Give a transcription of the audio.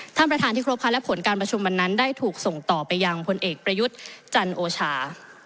ท่านประธานที่ครบค่ะและผลการประชุมวันนั้นได้ถูกส่งต่อไปยังพลเอกประยุทธ์จันโอชา